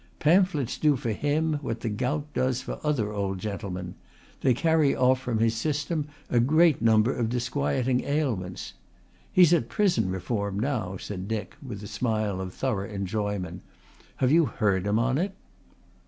Pamphlets do for him what the gout does for other old gentlemen they carry off from his system a great number of disquieting ailments. He's at prison reform now," said Dick with a smile of thorough enjoyment. "Have you heard him on it?"